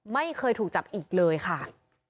ไม่เคยถูกจับอีกเลยค่ะ